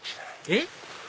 えっ？